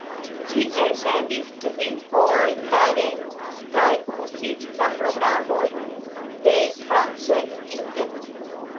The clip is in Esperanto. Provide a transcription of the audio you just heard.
Ĝi elsendis kvin horojn tage kaj uzis la programojn de France Inter.